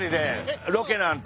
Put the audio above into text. ロケなんて。